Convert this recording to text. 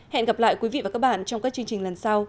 hẹn gặp lại quý vị và các bạn trong các chương trình lần sau